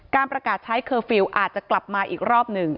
ประกาศใช้เคอร์ฟิลล์อาจจะกลับมาอีกรอบหนึ่ง